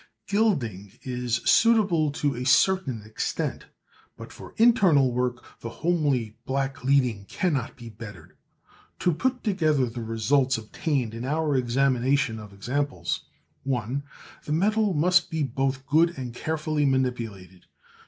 Gilding is suitable to a certain extent; but for internal work the homely black leading cannot be bettered. To put together the results obtained in our examination of examples. (1) The metal must be both good and carefully manipulated.